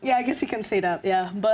ya saya rasa kamu bisa mengatakan itu